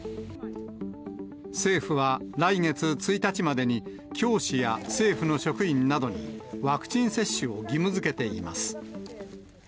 政府は来月１日までに、教師や政府の職員などにワクチン接種を義務づけています。